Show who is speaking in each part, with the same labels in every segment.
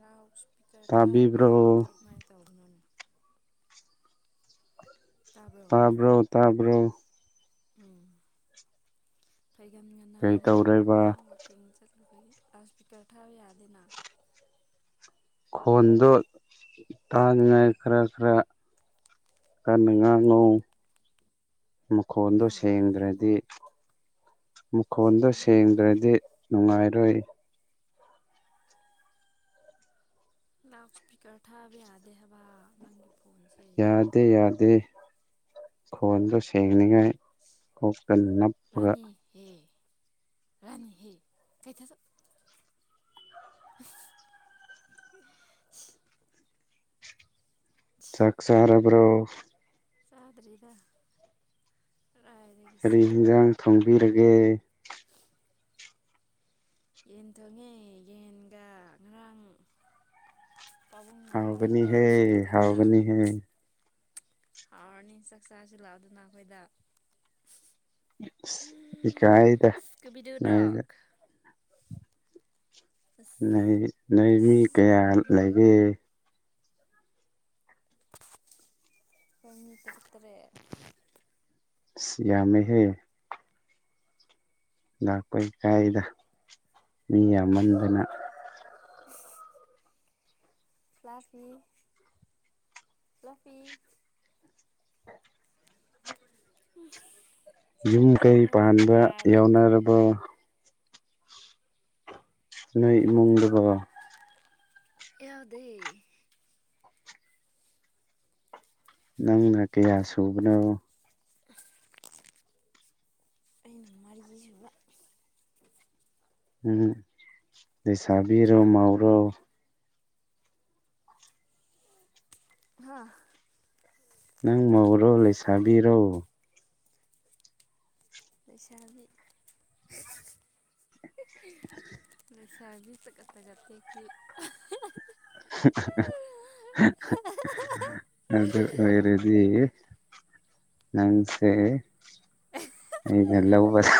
Speaker 1: ꯂꯥꯎ ꯁ꯭ꯄꯤꯀꯔ ꯊꯥꯕ ꯌꯥꯗ꯭ꯔꯦ ꯀꯃꯥꯏ ꯇꯧꯕꯅꯣꯅꯦ
Speaker 2: ꯇꯥꯕ꯭ꯔꯣ ꯇꯥꯕ꯭ꯔꯣ
Speaker 1: ꯎꯝ ꯐꯩꯒꯟꯒ ꯅꯥꯔꯦꯗ ꯉꯔꯥꯡ ꯋꯥꯛꯀꯤꯡ ꯆꯠ ꯂꯥꯎꯠ ꯁ꯭ꯄꯤꯀꯔ ꯊꯥꯕ ꯌꯥꯗꯦꯅ
Speaker 2: ꯈꯣꯟꯗꯣ ꯇꯥꯅꯤꯡꯉꯥꯏ ꯈꯔ ꯈꯔ ꯀꯟꯅ ꯉꯥꯡꯉꯣ ꯃꯈꯣꯟꯗꯣ ꯁꯦꯡꯗ꯭ꯔꯗꯤ ꯃꯈꯣꯟꯗꯣ ꯁꯦꯡꯗ꯭ꯔꯗꯤ ꯅꯨꯡꯉꯥꯏꯔꯣꯏ
Speaker 1: ꯂꯥꯎꯠ ꯁ꯭ꯄꯤꯀꯔ ꯊꯥꯕ ꯌꯥꯗꯦ ꯍꯥꯏꯕ ꯅꯪ
Speaker 2: ꯌꯥꯗꯦ ꯌꯥꯗꯦ ꯈꯣꯟꯗꯣ ꯁꯦꯡꯅꯤꯉꯥꯏ ꯀꯣꯛꯇ ꯅꯞꯄꯒ
Speaker 1: ꯔꯅꯤ ꯍꯦ ꯀꯩ ꯊꯁꯨ [unintelligible]
Speaker 2: ꯆꯥꯛ ꯆꯥꯔꯕ꯭ꯔꯣ
Speaker 1: ꯆꯥꯗꯔ꯭ꯤꯗ
Speaker 2: ꯀꯔꯤ ꯍꯤꯟꯖꯥꯡ ꯊꯣꯡꯕꯤꯔꯒꯦ
Speaker 1: ꯌꯦꯟ ꯊꯣꯡꯉꯦ ꯌꯦꯟꯒ ꯉꯔꯥꯡ
Speaker 2: ꯍꯥꯎꯒꯅꯤ ꯍꯦ ꯍꯥꯎꯒꯅꯤ ꯍꯦ
Speaker 1: ꯍꯥꯎꯔꯅꯤ ꯆꯥꯛ ꯆꯥꯁꯤ ꯂꯥꯎꯗꯅ ꯑꯈꯣꯏꯗ
Speaker 2: ꯏꯀꯥꯏꯗ ꯅꯣꯏꯗ ꯅꯣꯏ ꯅꯣꯏ ꯃꯤ ꯀꯌꯥ ꯂꯩꯒꯦ
Speaker 1: ꯈꯣꯏ ꯃꯤ ꯇꯔꯨꯛ ꯇꯔꯦꯠ
Speaker 2: ꯁꯤ ꯌꯥꯝꯃꯦꯍꯦ ꯂꯥꯛꯄ ꯏꯀꯥꯏꯗ ꯃꯤ ꯌꯥꯝꯃꯟꯗꯅ
Speaker 1: [unintelligible] ꯐ꯭ꯂꯞꯐꯤ ꯐ꯭ꯂꯞꯐꯤ [unintelligible]
Speaker 2: ꯌꯨꯝ ꯀꯩ ꯄꯥꯟꯕ ꯌꯥꯎꯅꯔꯕꯣ ꯅꯣꯏ ꯏꯃꯨꯡꯗꯨꯕꯣ
Speaker 1: ꯌꯥꯎꯗꯦ
Speaker 2: ꯅꯪꯅ ꯀꯌꯥ ꯁꯨꯕꯅꯣ
Speaker 1: [unintelligible] ꯑꯩꯅ ꯃꯔꯤꯁꯨꯕ
Speaker 2: ꯎꯝ ꯂꯩꯁꯥꯕꯤꯔꯣ ꯃꯧꯔꯣ
Speaker 1: ꯍꯥ
Speaker 2: ꯅꯪ ꯃꯧꯔꯣ ꯂꯩꯁꯥꯕꯤꯔꯣ
Speaker 1: ꯂꯩꯁꯥꯕꯤ
Speaker 2: [unintelligible]
Speaker 1: ꯂꯩꯁꯥꯕꯤ ꯇꯒꯠ ꯇꯒꯠ ꯇꯦꯛꯄꯤ
Speaker 2: [unintelligible] ꯑꯗꯨ ꯑꯣꯏꯔꯗꯤ ꯅꯪꯁꯦ ꯑꯩꯅ ꯂꯧꯕ [inaudible]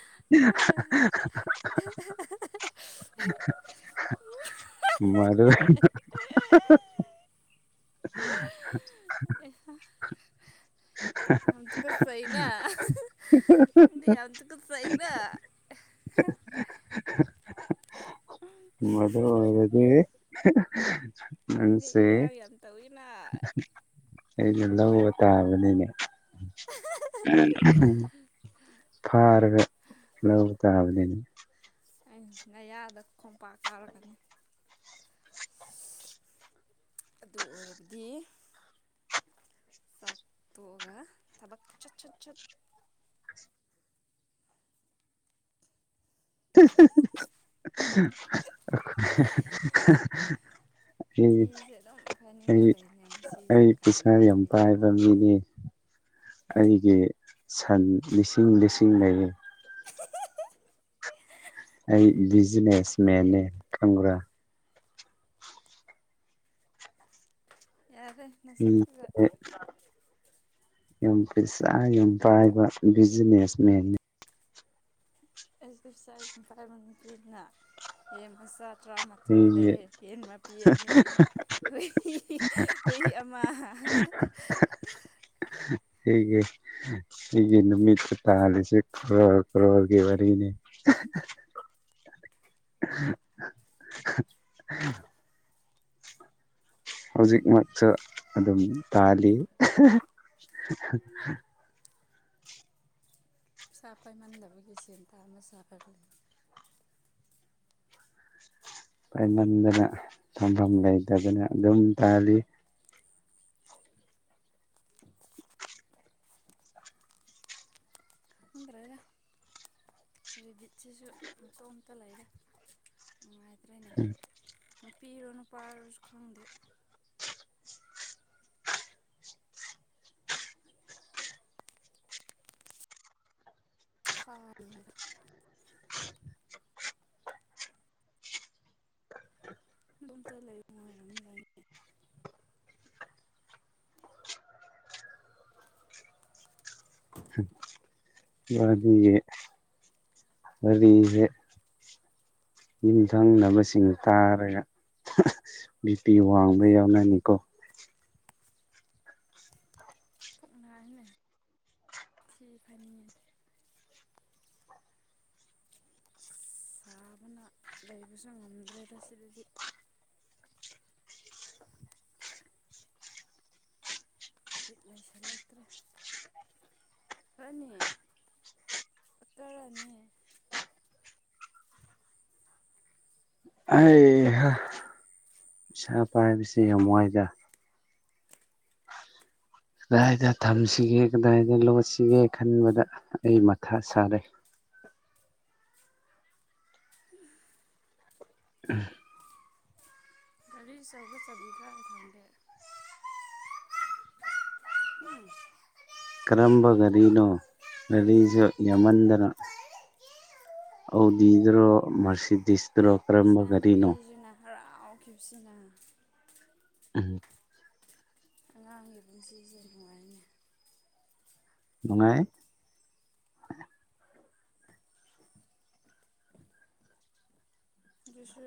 Speaker 2: [unintelligible] ꯃꯗꯨ [unintelligible]
Speaker 1: ꯀꯠ ꯆꯩ ꯅ ꯅꯪꯗꯤ ꯌꯥꯝ ꯇꯨꯀꯠ ꯆꯩꯅ
Speaker 2: ꯃꯗꯨ ꯑꯣꯏꯔꯗꯤ ꯃꯟ ꯇꯤ ꯑꯩꯅ ꯂꯧꯑꯣ ꯇꯥꯕꯅꯤꯅꯦ ꯐꯥꯔꯒ ꯂꯧꯕ ꯇꯥꯕꯅꯤꯅꯦ
Speaker 1: ꯅꯌꯥꯗ ꯈꯣꯝꯄꯥꯛ ꯀꯥꯔꯛꯀꯅꯤ ꯑꯗꯨ ꯑꯣꯏꯔꯕꯗꯤ ꯆꯥꯛ ꯇꯣꯛꯑꯒ ꯊꯕꯛ ꯆꯠ ꯆꯠ ꯆꯠ
Speaker 2: [inaudible] [unintelligible] ꯑꯦ ꯑꯩ ꯑꯩ ꯄꯤꯁꯥ ꯌꯥꯝ ꯄꯥꯏꯕ ꯃꯤꯅꯤ ꯑꯩꯒꯤ ꯁꯟ ꯂꯤꯁꯤꯡ ꯂꯤꯁꯤꯡ ꯂꯩꯌꯦ ꯑꯩ ꯕꯤꯖꯤꯅꯦꯁ ꯃꯦꯟ ꯅꯦ ꯈꯪꯕꯔ꯭
Speaker 1: ꯌꯥꯔꯦ ꯅꯁꯛꯇꯨꯒ
Speaker 2: ꯌꯥꯝ ꯄꯩꯁꯥ ꯌꯥꯝ ꯄꯥꯏꯕ ꯕꯤꯖꯤꯅꯦꯁ ꯃꯦꯟꯅꯦ
Speaker 1: ꯑꯩꯁ ꯕꯤ ꯁꯥꯏꯠ ꯄꯥꯏꯕ ꯉꯝꯗꯦꯗꯅ ꯑꯦꯝ ꯃꯆꯥꯥ ꯇꯔꯥꯃꯥꯊꯣꯏꯗ ꯌꯦꯟ ꯃꯄꯤꯑꯅꯤ ꯍꯨꯏ ꯍꯨꯏ ꯑꯃ [unintelligible]
Speaker 2: ꯑꯍ [unintelligible] ꯍꯤꯒꯤ ꯍꯤꯒꯤ ꯅꯨꯃꯤꯠꯇ ꯇꯥꯜꯂꯤꯁꯦ ꯀ꯭ꯔꯣꯔ ꯀ꯭ꯔꯣꯔꯒꯤ ꯋꯥꯔꯤꯅꯤ [unintelligible] ꯍꯧꯖꯤꯛꯃꯛꯁꯨ ꯑꯗꯨꯝ ꯇꯥꯜꯂꯤ [unintelligible]
Speaker 1: ꯄꯩꯁꯥ ꯄꯥꯏꯃꯟꯗꯕꯒꯤ ꯁꯦꯟꯊꯅ ꯁꯥꯅꯂꯤ
Speaker 2: ꯄꯥꯏꯃꯟꯗꯅ ꯊꯝꯐꯝ ꯂꯩꯇꯗꯅ ꯑꯗꯨꯝ ꯇꯥꯜꯂꯤ
Speaker 1: ꯈꯪꯗꯔꯦꯗ ꯔꯦꯕꯤꯠꯁꯤꯁꯨ ꯃꯇꯇꯣꯝꯇ ꯂꯩꯔꯦ ꯅꯨꯡꯉꯥꯏꯇ꯭ꯔꯦꯅꯦ ꯅꯨꯄꯤꯔꯣ ꯅꯨꯄꯥꯔꯁꯨ ꯈꯪꯗꯦ ꯐ ꯕꯨꯝꯇ ꯂꯩ ꯃ [unintelligible]
Speaker 2: ꯃꯥꯗꯤ ꯋꯥꯔꯤꯁꯦ ꯌꯨꯝꯊꯪꯅꯕꯁꯤꯡ ꯇꯥꯔꯒ ꯕꯤꯄꯤ ꯋꯥꯡꯕ ꯌꯥꯎꯅꯅꯤꯀꯣ
Speaker 1: ꯉꯅꯦ ꯊꯤ ꯐꯥꯏꯅꯤꯡꯉꯦ ꯁꯥꯕꯅ ꯂꯩꯕꯁꯨ ꯉꯝꯗ꯭ꯔꯦꯗ ꯁꯤꯗꯗꯤ ꯕꯤꯠ ꯂꯩꯁꯟꯂꯛꯇꯔꯦ ꯍꯣꯅꯤ ꯑꯠꯇꯔꯅꯤ
Speaker 2: ꯍꯩ ꯍꯥ ꯏꯁꯥ ꯄꯥꯏꯕꯁꯤ ꯌꯥꯝ ꯋꯥꯏꯗ ꯗꯥꯏꯗ ꯊꯝꯁꯤꯒꯦ ꯀꯗꯥꯏꯗ ꯂꯣꯠꯁꯤꯒꯦ ꯈꯟꯕꯗ ꯑꯩ ꯃꯊꯥ ꯁꯥꯔꯦ ꯍ ꯎꯍꯨꯝ
Speaker 1: ꯒꯥꯔꯤꯆꯧꯕ ꯆꯧꯕꯤꯗꯥ ꯈꯪꯗꯦ ꯎꯝ
Speaker 2: ꯀꯔꯝꯕ ꯒꯥꯔꯤꯅꯣ ꯒꯥꯔꯤꯁꯨ ꯌꯥꯝꯃꯟꯗꯅ ꯑꯗꯤꯗ꯭ꯔꯣ ꯃꯔꯁꯤꯗꯤꯁꯇꯔꯣ ꯀꯔꯝꯕ ꯒꯥꯔꯤꯅꯣ
Speaker 1: ꯍꯔꯥꯎꯈꯤꯕꯞꯁꯤꯅ
Speaker 2: ꯎꯝꯝ
Speaker 1: ꯑꯉꯥꯡꯒꯤ ꯄꯨꯟꯁꯤꯁꯤꯦ ꯅꯨꯡꯉꯥꯏꯉ
Speaker 2: ꯅꯨꯡꯉꯥꯏ
Speaker 1: ꯗꯨꯁꯨ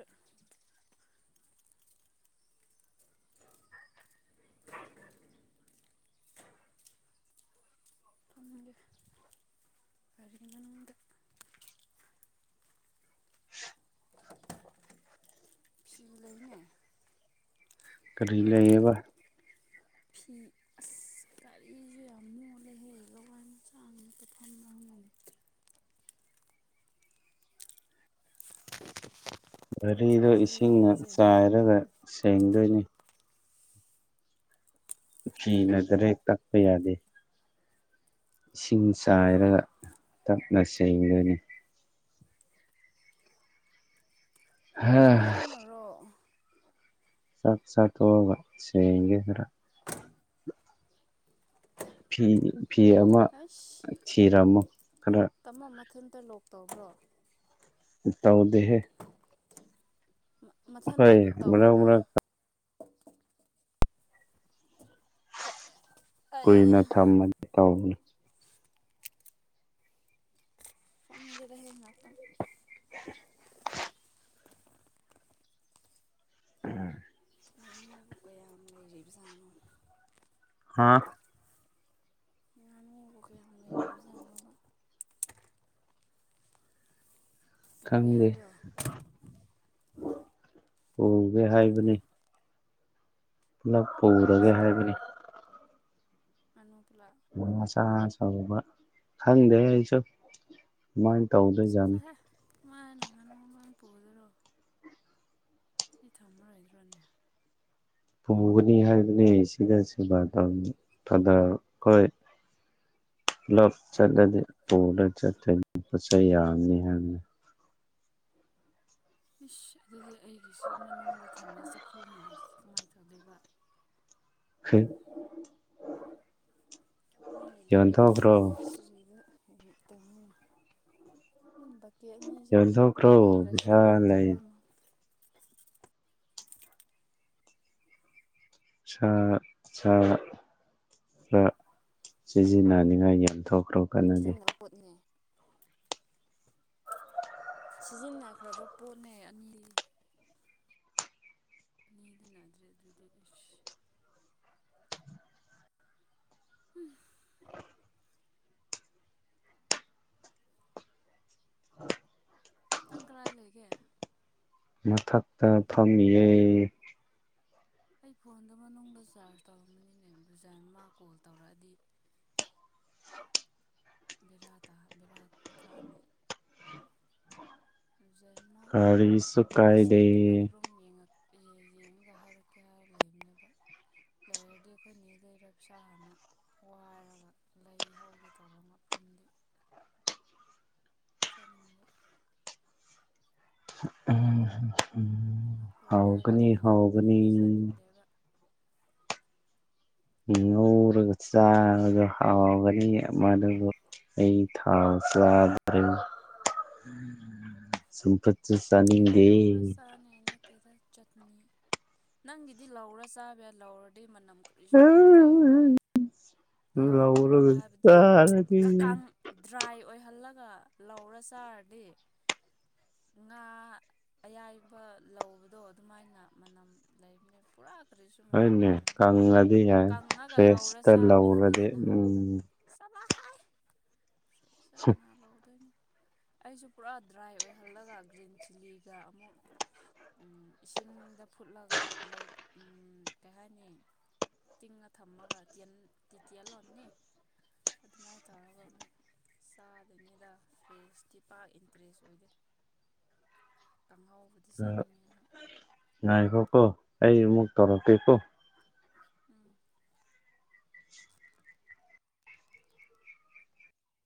Speaker 1: ꯒꯥꯔꯤ ꯃꯅꯨꯡꯗ
Speaker 2: ꯀꯔꯤ ꯂꯩꯌꯦꯕ
Speaker 1: ꯐꯤ ꯑꯁ
Speaker 2: ꯒꯥꯔꯤꯗꯣ ꯏꯁꯤꯡꯅ ꯆꯥꯏꯔꯒ ꯁꯦꯡꯗꯣꯏꯅꯤ ꯐꯤꯅ ꯒꯔ ꯍꯦꯛ ꯇꯛꯄ ꯌꯥꯗꯦ ꯏꯁꯤꯡ ꯆꯥꯏꯔꯒ ꯇꯞꯅ ꯁꯦꯡꯗꯣꯏꯅꯤ
Speaker 1: ꯑꯗꯨꯃꯥꯏꯅꯔꯣ
Speaker 2: ꯆꯥꯛ ꯆꯥ ꯇꯣꯛꯑꯒ ꯁꯦꯡꯒꯦ ꯈꯔ ꯐꯤ ꯐꯤ ꯑꯃ ꯊꯤꯔꯝꯃꯨ ꯈꯔ
Speaker 1: ꯃꯊꯟꯇ ꯂꯣꯛ ꯇꯧꯕ꯭ꯔꯣ
Speaker 2: ꯇꯧꯗꯦꯍꯦ ꯍꯣꯏ ꯃꯔꯛ ꯃꯔꯛ ꯀꯨꯏꯅ ꯊꯝꯃꯅꯤ ꯇꯧꯅꯤ
Speaker 1: ꯉꯛꯇꯪ
Speaker 2: [inaudible] ꯎꯝ
Speaker 1: ꯕꯖꯥꯅꯣ
Speaker 2: ꯍꯥꯥ
Speaker 1: ꯍꯥꯏꯕ꯭ꯔꯣ
Speaker 2: ꯒꯦ ꯍꯥꯏꯕꯅꯤ ꯄꯨꯂꯞ ꯄꯨꯔꯒꯦ ꯍꯥꯏꯕꯅꯤ
Speaker 1: ꯑꯅꯣꯞꯂ
Speaker 2: ꯃꯆꯥ ꯆꯡꯕ ꯈꯪꯗꯦ ꯑꯩꯁꯨ ꯗꯨꯃꯥꯏ ꯇꯧꯗꯣꯏ ꯖꯥꯠꯅꯤ
Speaker 1: ꯃꯥꯅ ꯉꯥꯅꯨ ꯂꯣꯏꯝ ꯄꯨꯗꯨꯔꯣ ꯁꯤ ꯊꯝꯃꯔꯣꯏꯗ꯭ꯔꯣꯅꯦ
Speaker 2: ꯄꯨꯒꯅꯤ ꯍꯥꯏꯕꯅꯦ ꯁꯤꯗ ꯁꯦꯕꯥ ꯇꯧ ꯇꯥꯗ ꯈꯣꯏ ꯄꯨꯂꯞ ꯆꯠꯂꯗꯤ ꯄꯨꯔ ꯆꯠꯇꯣꯏꯅꯤ ꯄꯣꯠ ꯆꯩ ꯌꯥꯝꯅꯤ ꯍꯥꯏꯕꯅꯤ
Speaker 1: ꯏꯁ ꯑꯗꯨꯗꯤ ꯑꯩꯒꯤꯁꯤ ꯃꯅꯨꯡꯗ ꯊꯝꯃꯦ ꯆꯐꯨ ꯃꯌꯥꯝ ꯀꯃꯥꯏ ꯇꯧꯗꯣꯏꯕ
Speaker 2: ꯍꯩ
Speaker 1: ꯃꯣꯏꯒꯤ ꯑꯗꯨꯒꯨꯝꯕ ꯑꯟꯅꯦꯁꯦꯁꯔꯤꯗꯣ ꯍꯦꯛ ꯍꯦꯛ ꯇꯧꯏ ꯀꯦ ꯑꯅꯤꯁꯦ ꯑꯃꯨꯛ ꯄꯨꯕꯤꯈ꯭ꯔꯁꯤꯔꯥ ꯈꯪꯗꯦ ꯑꯩꯈꯣꯏ
Speaker 2: ꯁꯥ ꯁꯥ ꯈꯔ ꯁꯤꯖꯤꯟ ꯅꯅꯤꯉꯥꯏ ꯃꯌꯥꯝ ꯗꯣ
Speaker 1: ꯄꯨꯁꯤꯟꯕ ꯄꯣꯠꯅꯤ ꯁꯤꯖꯤꯟꯅꯈ꯭ꯔꯕ ꯄꯣꯠꯅꯦ ꯑꯅꯤ ꯑꯅꯤꯗꯨ ꯅꯥꯗ꯭ꯔꯦ ꯑꯗꯨꯗꯤ ꯏꯁꯁ ꯎꯝ ꯅꯪ ꯀꯔꯥꯏ ꯂꯩꯒꯦ
Speaker 2: ꯃꯊꯛꯇ ꯐꯝꯃꯤꯌꯦ
Speaker 1: ꯑꯩ ꯐꯣꯟꯗꯨ ꯃꯅꯨꯡꯗ ꯆꯥꯔꯖ ꯇꯧꯔꯝꯝꯕꯅꯤꯅꯦ [unintelligible] ꯃꯥ ꯀꯣꯜ ꯇꯧꯔꯛꯑꯗꯤ
Speaker 2: [inaudible]
Speaker 1: ꯕꯤꯔꯗꯥ ꯕꯤꯔꯥꯠꯀꯥ ꯖꯩꯃꯥ ꯉꯁꯤꯒꯤ ꯉꯥꯄ꯭ꯔꯨꯝ ꯌꯦꯡꯉꯛ ꯌꯦꯟꯒ ꯍꯥꯏꯔꯛꯀꯦ ꯍꯥꯏ ꯂꯩꯅꯕ ꯂꯩꯔꯗꯤ ꯑꯩꯈꯣꯏꯅꯤ ꯂꯩꯔ ꯄꯩꯁꯥ ꯍꯥꯟꯅ ꯋꯥꯏꯔꯒ ꯂꯩ ꯍꯧꯒꯦ ꯇꯧꯕ ꯉꯥ
Speaker 2: [inaudible]
Speaker 1: ꯆꯥꯅꯤꯡꯕ ꯏꯃꯥꯄꯨꯔꯗ ꯃꯤꯅ ꯌꯣꯟꯕꯗꯨꯗꯤ ꯆꯥꯅꯤꯡꯗꯦꯕ
Speaker 2: ꯉꯔꯒ ꯍꯥꯎꯒꯅꯤꯗꯨ ꯑꯩ ꯊꯥꯎ ꯔ ꯁꯄ ꯆꯨ ꯆꯅꯤꯡꯗꯦ
Speaker 1: ꯅꯪꯒꯤꯗꯤ ꯂꯧꯔ ꯆꯥꯕ ꯂꯧꯔꯗꯤ ꯃꯅꯝ ꯀꯔꯤꯁꯨ ꯂꯩꯇ꯭ꯔꯦ ꯂꯧꯔꯒ ꯍꯥꯏꯕꯗꯤ ꯀꯀ ꯗ꯭ꯔꯥꯏ ꯑꯣꯏ ꯈꯜꯂꯒ ꯂꯧꯔ ꯆꯥꯔꯗꯤ ꯉꯥ ꯑꯌꯥꯏꯕ ꯂꯧꯕꯗꯣ ꯑꯗꯨꯃꯥꯏꯅ ꯃꯅꯝ ꯂꯩꯕꯅꯦ ꯄꯨꯔꯥ
Speaker 2: ꯍꯣꯏꯅꯦ ꯀꯪꯉꯗꯤ ꯌꯥꯏ ꯐ꯭ꯔꯦꯁꯇ ꯂꯧꯔꯗꯤ ꯎꯝ
Speaker 1: ꯅ ꯂꯧꯗꯣꯏꯅꯣ ꯑꯩꯁꯨ ꯄꯨꯔꯥ ꯗ꯭ꯔꯥꯏ ꯑꯣꯏꯍꯜꯂꯒ ꯒ꯭ꯔꯤꯟ ꯆꯤꯜꯂꯤꯒ ꯑꯃꯨꯛ ꯏꯁꯤꯡꯗ ꯐꯨꯠꯂꯒ ꯂꯧ ꯀꯩ ꯍꯥꯏꯅꯤ ꯇꯤꯡꯉ ꯊꯝꯃꯒ ꯇꯦꯜꯜꯂꯅꯤ ꯑꯗꯨꯃꯥꯏꯅ ꯇꯧꯔꯒ ꯑꯃꯨꯛ ꯆꯥꯗ꯭ꯉꯩꯗ ꯐ꯭ꯔꯦꯁꯇꯤ ꯄꯥꯛ ꯏꯟꯇꯔꯦꯁ ꯑꯣꯏꯗꯦ
Speaker 2: ꯑ ꯉꯏꯀꯣ ꯀꯣ ꯑꯩ ꯃꯛ ꯇꯔꯀ ꯀꯣ